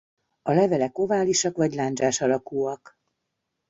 A levelek oválisak vagy lándzsás alakúak.